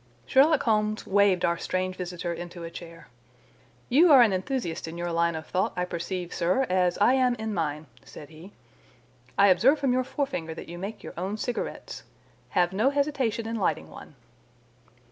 Sherlock Holmes waved our strange visitor into a chair. "You are an enthusiast in your line of thought, I perceive, sir, as I am in mine," said he. "I observe from your forefinger that you make your own cigarettes. Have no hesitation in lighting one."